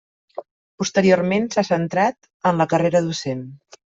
Posteriorment s’ha centrat en la carrera docent.